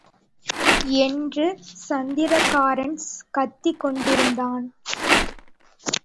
என்று சத்திரக்காரன் கத்திக் கொண்டிருந்தான்.